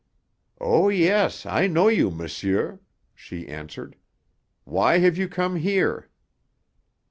"Oh, yes; I know you, monsieur," she answered. "Why have you come here?"